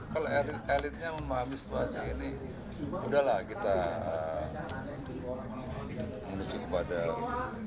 kalau elitnya memahami situasi ini udahlah kita menuju kepada